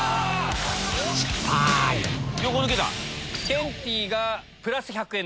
ケンティーがプラス１００円。